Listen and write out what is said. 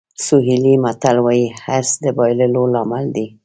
سوهیلي متل وایي حرص د بایللو لامل دی.